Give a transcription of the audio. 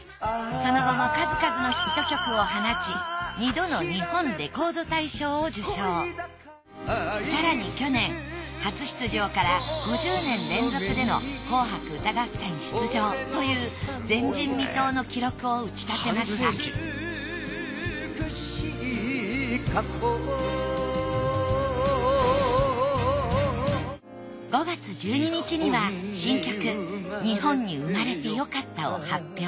その後も数々のヒット曲を放ち更に去年初出場から５０年連続での「紅白歌合戦」出場という前人未踏の記録を打ち立てました５月１２日には新曲『日本に生まれてよかった』を発表。